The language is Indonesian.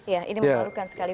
ya ini memalukan sekali